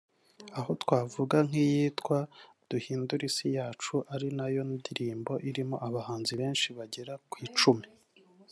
aho twavuga nk’iyitwa « Duhindure isi yacu » ari nayo ndirimbo irimo abahanzi benshi bagera kw’icumi